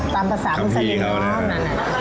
ตามภาษาพฤษฎีเขานะ